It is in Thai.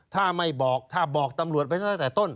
ถ้าไม่บอกถ้าบอกตำรวจไปตั้งแต่ต้น